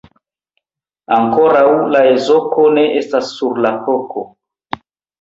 Ankoraŭ la ezoko ne estas sur la hoko.